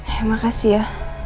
ya makasih ya